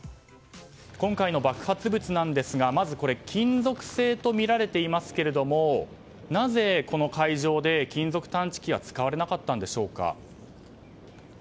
今回の爆発物なんですが金属製とみられていますがなぜ、この会場で金属探知機は使われなかったんでしょうか。